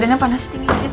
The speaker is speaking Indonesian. rena kamu enak banget ya